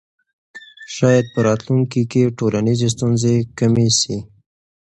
شاید په راتلونکي کې ټولنیزې ستونزې کمې سي.